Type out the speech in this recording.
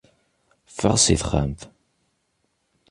Ffeɣ si texxamt.